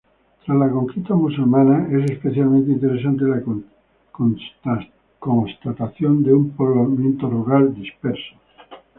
Tras la conquista musulmana es especialmente interesante la constatación de un poblamiento rural disperso.